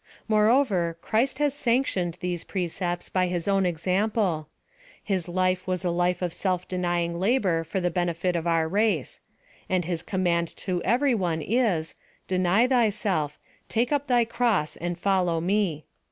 Moreover, Christ has sanctioned these precepts by his own example. His life was a life of self deny ing labor for the benefit of our race ; and his com mand to everyone is — Deny thyself; take up thy cross, and follow me.